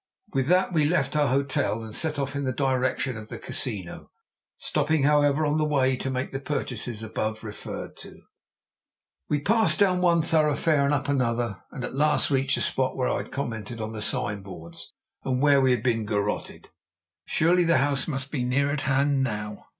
With that we left our hotel and set off in the direction of the Casino, stopping, however, on the way to make the purchases above referred to. We passed down one thoroughfare and up another, and at last reached the spot where I had commented on the sign boards, and where we had been garrotted. Surely the house must be near at hand now?